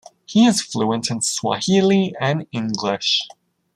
He is fluent in Swahili and English.